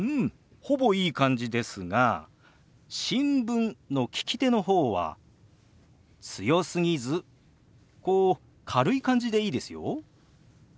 ほぼいい感じですが「新聞」の利き手の方は強すぎずこう軽い感じでいいですよ。